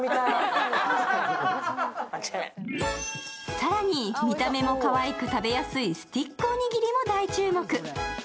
更に見た目もかわいく食べやすいステックおにぎりも大注目。